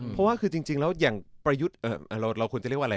เพราะว่าคือจริงแล้วอย่างประยุทธ์เราควรจะเรียกว่าอะไร